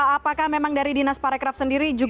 apakah memang dari dinas parekraf sendiri